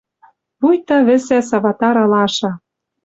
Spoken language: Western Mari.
Вуйта вӹсӓ саватар алаша